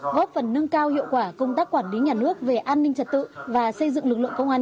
góp phần nâng cao hiệu quả công tác quản lý nhà nước về an ninh trật tự và xây dựng lực lượng công an